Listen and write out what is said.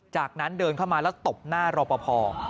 จากนั้นเดินเข้ามาแล้วตบหน้ารอปภ